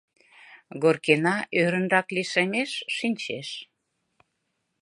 Горкина ӧрынрак лишемеш, шинчеш.